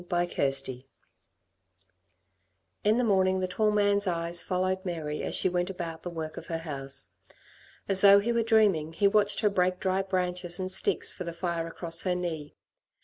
CHAPTER V In the morning the tall man's eyes followed Mary as she went about the work of her house. As though he were dreaming, he watched her break dry branches and sticks for the fire across her knee.